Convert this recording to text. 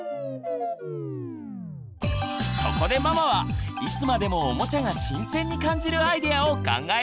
そこでママはいつまでもおもちゃが新鮮に感じるアイデアを考えました！